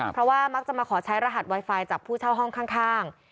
เพราะว่ามักจะมาขอใช้รหัสไวไฟจากผู้เช่าห้องข้าง